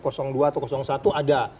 kosong dua atau kosong satu ada